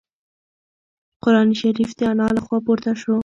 قرانشریف د انا له خوا پورته شو.